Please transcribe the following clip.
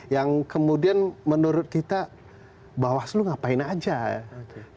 yang kemudian menurut kita bawaslu ngapain aja ya